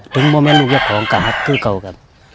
ตั้งไว้แม่ลูกเจ้าของกะหัคคือกับ